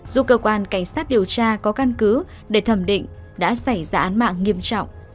dù cơ quan cảnh sát điều tra có căn cứ để thẩm định đã xảy ra án mạng nghiêm trọng